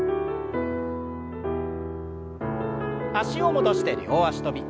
脚を戻して両脚跳び。